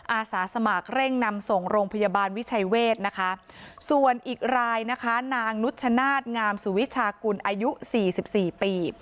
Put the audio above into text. อาสาสมัครเร่งนำส่งโรงพยาบาลวิชัยเวทนะคะส่วนอีกรายนะคะนางนุชชนาธิงามสุวิชากุลอายุสี่สิบสี่ปี